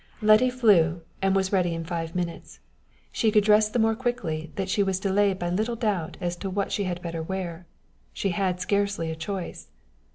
Letty flew, and was ready in five minutes. She could dress the more quickly that she was delayed by little doubt as to what she had better wear: she had scarcely a choice.